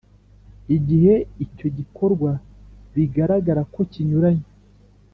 igihe icyo gikorwa bigaragara ko kinyuranye